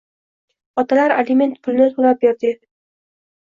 Otalar aliment pulini to‘lab berding